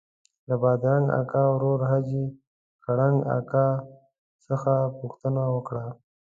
له بادرنګ اکا ورور حاجي کړنګ اکا څخه پوښتنه وکړه.